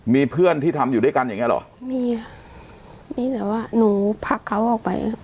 มีเพื่อนที่ทำอยู่ด้วยกันอย่างเงี้เหรอมีค่ะมีมีแบบว่าหนูพักเขาออกไป